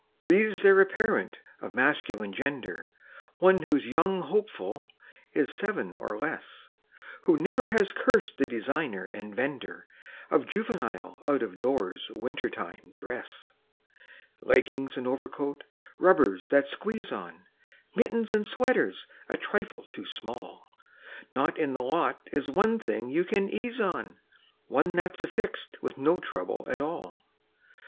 Breathes there a parent of masculine gender, One whose young hopeful is seven or less, Who never has cursed the designer and vender Of juvenile out of doors winter time dress? Leggings and overcoat, rubbers that squeeze on, Mittens and sweater a trifle too small; Not in the lot is one thing you can ease on, One that's affixed with no trouble at all.